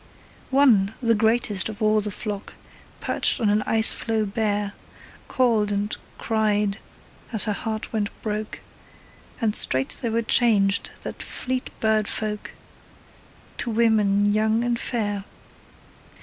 One, the greatest of all the flock, Perched on an ice floe bare, Called and cried as her heart were broke, And straight they were changed, that fleet bird folk, To women young and fair.